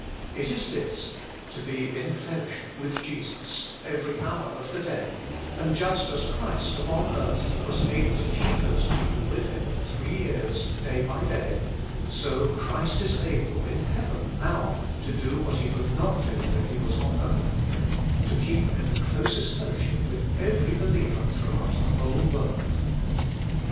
It is this, to be in fellowship with Jesus — every hour of the day; and just as Christ upon earth was able to keep those people with Him for three years, day by day, so 28 Jesus Himself. Cbtfdt 10 able in heaven now to do what He could not do when He was on earth — to keep in the closest fellowship with every be liever throughout the whole world.